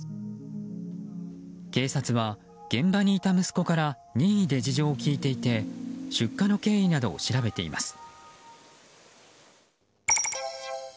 警察は現場にいた息子から任意で事情を聴いていて出火の経緯などを調べています。